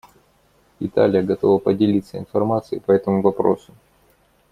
Италия готова поделиться информацией по этому вопросу.